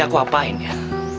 saya tutup budi saya